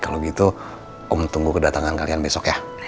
kalau gitu om tunggu kedatangan kalian besok ya